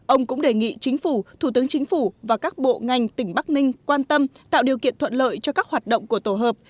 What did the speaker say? ông cũng đề nghị chính phủ thủ tướng chính phủ và các bộ ngành tỉnh bắc ninh quan tâm tạo điều kiện thuận lợi cho các hoạt động của tổ hợp